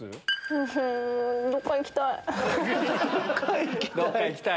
うんどっか行きたい。